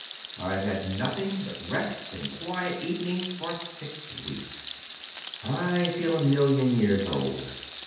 I've had nothing but rest and quiet evenings for six weeks. I feel a million years old.